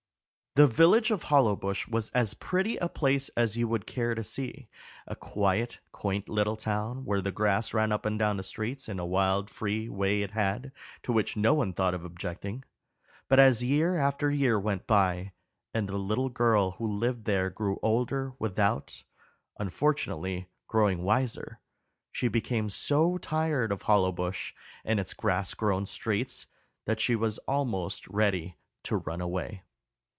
The village of Hollowbush was as pretty a place as you would care to see a quiet, quaint little town, where the grass ran up and down the streets in a wild, free way it had, to which no one thought of objecting; but as year after year went by, and the little girl who lived there grew older without, unfortunately, growing wiser, she became so tired of Hollowbush and its grass grown streets that she was almost ready to run away.